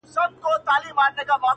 غوړولی یې په ملک کي امنیت وو-